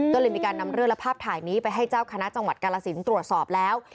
ก็เลยมีการนำเรื่องและภาพถ่ายนี้ไปให้เจ้าคณะจังหวัดกาลสินตรวจสอบแล้ว